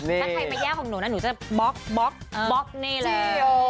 ถ้าใครไม่แย่ของหนูนะหนูจะบ๊อกบ๊อกบ๊อกนี่แหละ